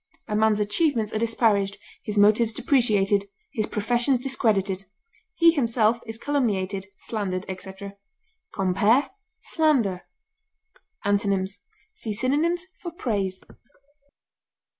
A man's achievements are disparaged, his motives depreciated, his professions discredited; he himself is calumniated, slandered, etc. Compare SLANDER. Antonyms: See synonyms for PRAISE.